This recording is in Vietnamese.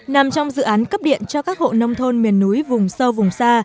nằm trong dự án cấp điện cho các hộ nông thôn miền núi vùng sâu vùng xa